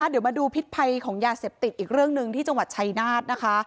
เดี๋ยวมาดูพิษภัยของยาเสพติดอีกเรื่องหนึ่งที่จังหวัดชัยนาธนะคะ